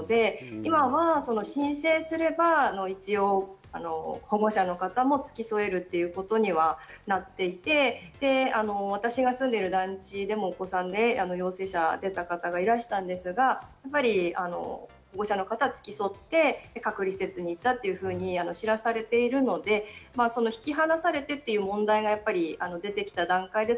今は申請すれば、一応、保護者の方もつき添えるということにはなっていて、私が住んでいる団地でもお子さんで陽性者が出た方がいらしたんですが、保護者の方が付き添って隔離施設にいたというふうに知らされているので、引き離されるという問題が出てきた段階で